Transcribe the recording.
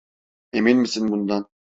Emin misin bundan?